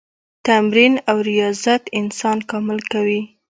تمرین او ریاضت انسان کامل کوي.